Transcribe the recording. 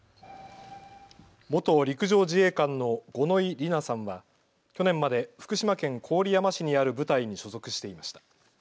元陸上自衛官の五ノ井里奈さんは去年まで福島県郡山市にある部隊に所属していました。